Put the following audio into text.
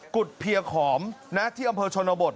ุดเพียขอมที่อำเภอชนบท